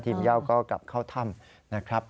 เย่าก็กลับเข้าถ้ำนะครับ